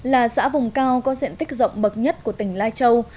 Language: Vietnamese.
là xã vùng cao có diện tích rộng bậc nhất của tỉnh lai châu